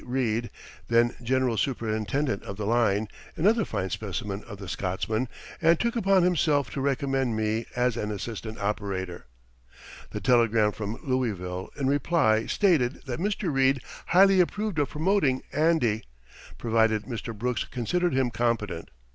Reid, then general superintendent of the line, another fine specimen of the Scotsman, and took upon himself to recommend me as an assistant operator. The telegram from Louisville in reply stated that Mr. Reid highly approved of promoting "Andy," provided Mr. Brooks considered him competent.